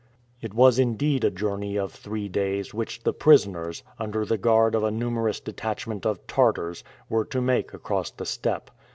It was indeed a journey of three days which the prisoners, under the guard of a numerous detachment of Tartars, were to make across the steppe.